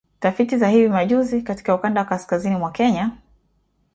Tafiti za hivi majuzi katika ukanda wa kaskazini mwa Kenya